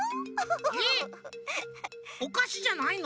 えっおかしじゃないの？